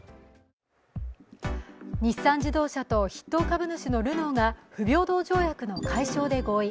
日産自動車と筆頭株主のルノーが不平等条約の解消で合意。